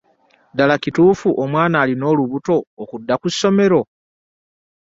Ddala kituufu omwana alina olubuto okudda ku ssomero?